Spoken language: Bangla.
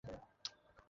তুমি সঠিক ছিল।